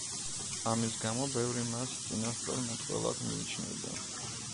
ამის გამო ბევრი მას წინასწარმეტყველად მიიჩნევდა.